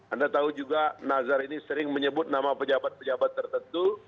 anda tahu juga nazar ini sering menyebut nama pejabat pejabat tertentu